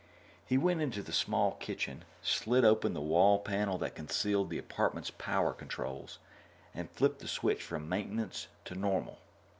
He went into the small kitchen, slid open the wall panel that concealed the apartment's power controls, and flipped the switch from "maintenance" to "normal."